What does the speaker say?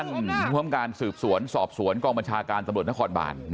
ภูมิคับการสืบสวนสอบสวนกองบัญชาการตำรวจนครบาน